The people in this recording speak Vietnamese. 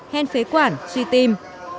hen phế quản suy tim